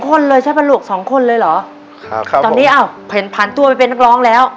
คนเลยใช่ปะลูกสองคนเลยเหรอครับครับตอนนี้อ้าวเห็นผ่านตัวไปเป็นนักร้องแล้ว